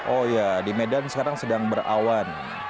oh ya di medan sekarang sedang berawan